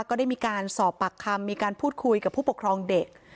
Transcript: ก็ได้มีการสอบปากคำมีการพูดคุยกับผู้ปกครองเด็ก